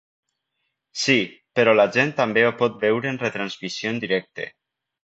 Sí, però la gent també ho pot veure en retransmissió en directe.